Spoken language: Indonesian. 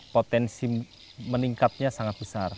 potensi meningkatnya sangat besar